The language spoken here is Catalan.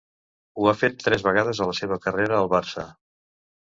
Ho ha fet tres vegades a la seva carrera al Barça.